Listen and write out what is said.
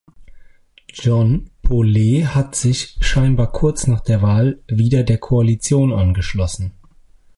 John Poole hat sich scheinbar kurz nach der Wahl wieder der Koalition angeschlossen.